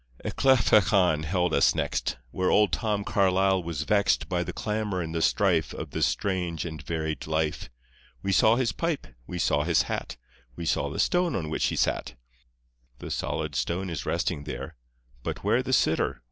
Ecclefechan held us next, Where old Tom Carlyle was vexed By the clamour and the strife Of this strange and varied life. We saw his pipe, we saw his hat, We saw the stone on which he sat. The solid stone is resting there, But where the sitter?